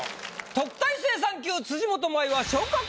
特待生３級辻元舞は。